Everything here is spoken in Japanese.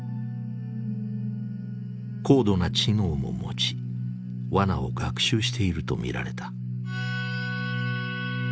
高度な知能も持ちワナを学習していると見られた。